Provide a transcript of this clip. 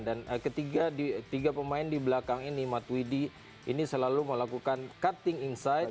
dan ketiga pemain di belakang ini matuidi ini selalu melakukan cutting inside